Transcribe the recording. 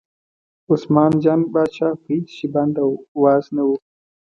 عثمان جان پاچا په هېڅ شي بند او واز نه و.